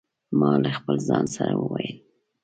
ما له خپل ځانه سره وویل.